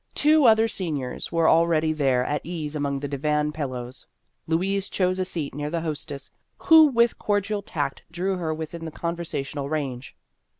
Two other seniors were already there at ease among the divan pil lows. Louise chose a seat near the host ess, who with cordial tact drew her within the conversational range.